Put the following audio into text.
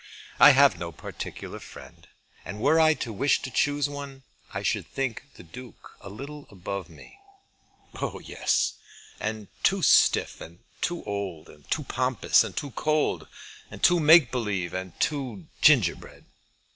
I have no particular friend. And were I to wish to choose one, I should think the Duke a little above me." "Oh, yes; and too stiff, and too old, and too pompous, and too cold, and too make believe, and too gingerbread."